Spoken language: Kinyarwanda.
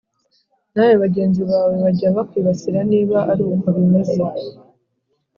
nawe bagenzi bawe bajya bakwibasira Niba ari uko bimeze